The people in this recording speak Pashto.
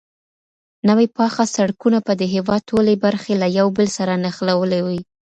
نوي پاخه سړکونه به د هيواد ټولې برخې له يو بل سره نښلولې وي.